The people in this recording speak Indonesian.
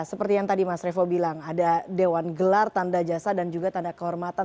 seperti yang tadi mas revo bilang ada dewan gelar tanda jasa dan juga tanda kehormatan